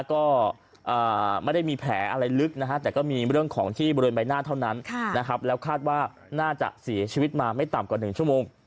ก็ไม่ได้มีแผลอะไรลึกนะฮะแต่ก็มีเรื่องของที่บริเวณใบหน้าเท่านั้นนะครับแล้วคาดว่าน่าจะเสียชีวิตมาไม่ต่ำกว่า๑ชั่วโมง